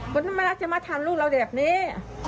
มันไม่น่าจะมาทำลูกเราอย่างนี้